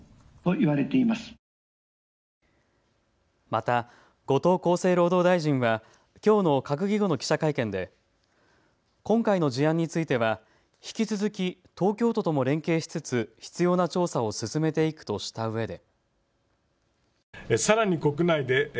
また後藤厚生労働大臣はきょうの閣議後の記者会見で今回の事案については引き続き東京都とも連携しつつ必要な調査を進めていくとしたうえで。